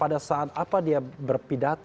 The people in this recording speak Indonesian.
pada saat apa dia berpidato